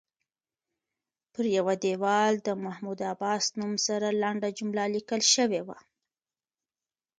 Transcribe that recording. پر یوه دیوال د محمود عباس نوم سره لنډه جمله لیکل شوې وه.